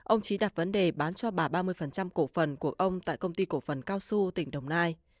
ông trí đặt vấn đề bán cho bà ba mươi cổ phần của ông tại công ty cổ phần cao su tỉnh đồng nai